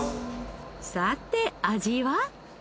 さて味は？